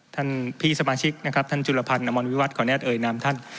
ท่านพี่สมาชิกนะครับท่านจุลพันธ์อมรวิวัตรขออนุญาตเอ่ยนามท่าน